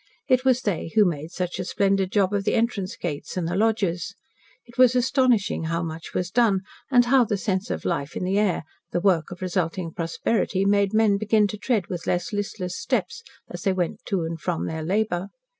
It was they who made such a splendid job of the entrance gates and the lodges. It was astonishing how much was done, and how the sense of life in the air the work of resulting prosperity, made men begin to tread with less listless steps as they went to and from their labour.